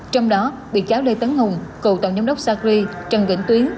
trong đó bị cáo lê tấn hùng cựu tổng giám đốc sacri trần vĩnh tuyến